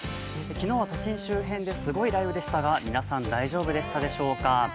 昨日は都心周辺ですごい雷雨でしたが、皆さん、大丈夫でしたでしょうか。